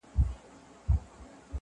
ه ياره کندهار نه پرېږدم.